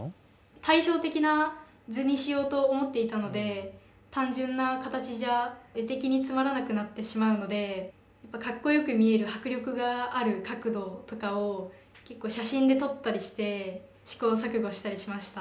対称的な図にしようと思っていたので単純な形じゃ絵的につまらなくなってしまうのでかっこよく見える迫力がある角度とかを結構写真で撮ったりして試行錯誤したりしました。